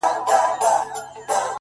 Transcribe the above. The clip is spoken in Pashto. سترگو کي باڼه له ياده وباسم؛